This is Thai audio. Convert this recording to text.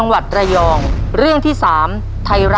คำถามทั้งหมด๕เรื่องมีดังนี้ครับ